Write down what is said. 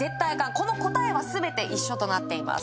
この答えは全て一緒となっています